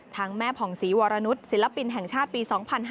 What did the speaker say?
แม่ผ่องศรีวรนุษย์ศิลปินแห่งชาติปี๒๕๕๙